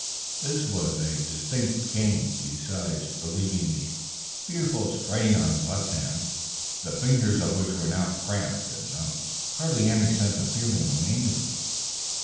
This was a distinct gain, besides relieving the fearful strain on his left hand, the fingers of which were now cramped and numb. Hardly any sense of feeling remained in them.